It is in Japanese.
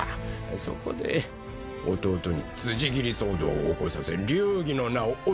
そこで弟に辻斬り騒動を起こさせ流儀の名をおとしめた。